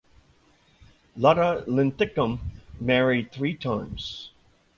Lotta Linthicum married three times.